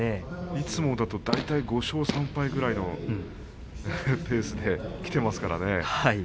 いつもだったら５勝３敗というペースできていますからね。